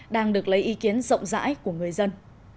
đang được lấy ý kiến rộng rãi của người dân